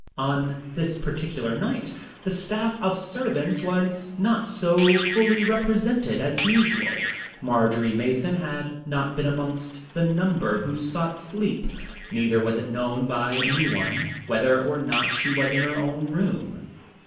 On this particular night the staff of servants was not so fully represented as usual. Marjory Mason had not been amongst the number who sought sleep, neither was it known by any one whether or not she was in her own room.